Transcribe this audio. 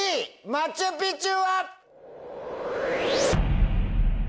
「マチュ・ピチュ」